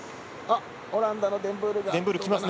オランダのデンブールがどうか。